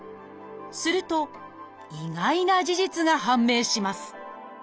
すると意外な事実が判明します